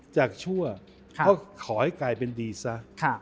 จากชั่วเขาก็ขอให้กายเป็นดีซะ